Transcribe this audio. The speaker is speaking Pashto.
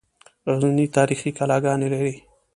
غزني تاریخي کلاګانې لري